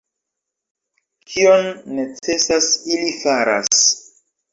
Kion necesas, ili faras.